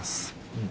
うん